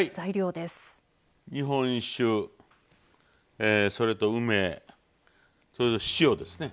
日本酒それと梅それと塩ですね。